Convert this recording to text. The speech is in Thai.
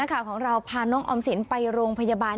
ข่าวของเราพาน้องออมสินไปโรงพยาบาล